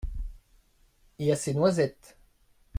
Et à ses noisettes.